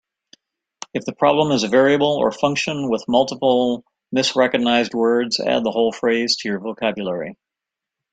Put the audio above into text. If the problem is a variable or function with multiple misrecognized words, add the whole phrase to your vocabulary.